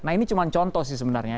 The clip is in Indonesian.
nah ini cuma contoh sih sebenarnya